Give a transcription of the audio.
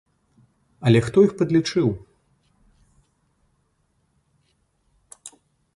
Але хто іх падлічыў?